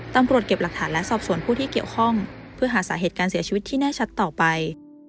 ตำรวจเก็บหลักฐานและสอบสวนผู้ที่เกี่ยวข้องเพื่อหาสาเหตุการเสียชีวิตที่แน่ชัดต่อไป